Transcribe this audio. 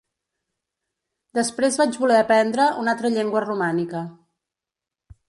Després vaig voler aprendre una altra llengua romànica.